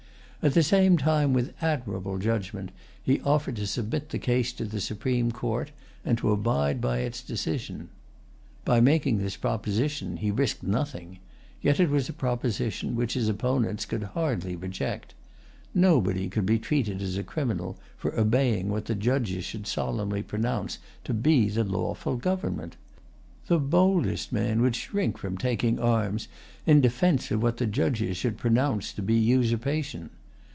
At the same time, with admirable judgment, he offered to submit the case to the Supreme Court, and to abide by its decision. By making this proposition he risked nothing; yet it was a proposition which his opponents could hardly reject. Nobody could be treated as a criminal for obeying what the judges should solemnly pronounce to be the lawful government. The boldest man would shrink from taking arms in defence of what the judges should pronounce to be usurpation.